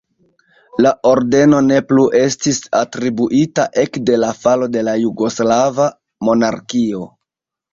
La ordeno ne plu estis atribuita ekde la falo de la jugoslava monarkio.